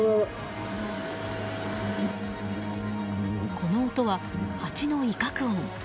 この音はハチの威嚇音。